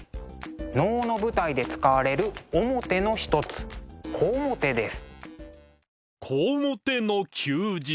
能の舞台で使われる面の一つ小面です。